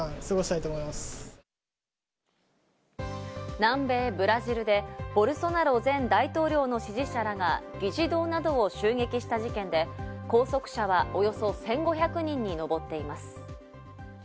南米ブラジルでボルソナロ前大統領の支持者らが議事堂などを襲撃した事件で、拘束者はおよそ１５００人に上っています。